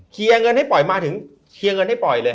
เงินให้ปล่อยมาถึงเคลียร์เงินให้ปล่อยเลย